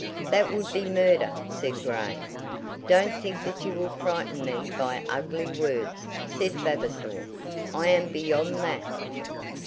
"That would be murder," said Grey. "Don't think that you will frighten me by ugly words," said Vavasor. "I am beyond that."